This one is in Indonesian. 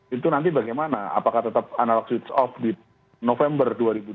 itu nanti bagaimana apakah tetap analog switch off di november dua ribu dua puluh